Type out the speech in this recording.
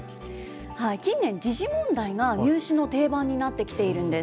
近年、時事問題が入試の定番になってきているんです。